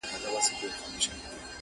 له رقیبه مي خنزیر جوړ کړ ته نه وې!!